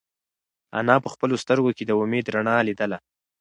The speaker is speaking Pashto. انا په خپلو سترگو کې د امید رڼا لیدله.